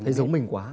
thấy giống mình quá